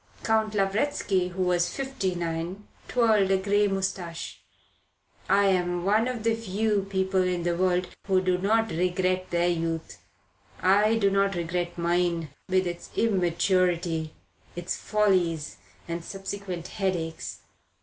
Count Lavretsky, who was fifty nine, twirled a grey moustache. "I am one of the few people in the world who do not regret their youth. I do not regret mine, with its immaturity, its follies and subsequent headaches.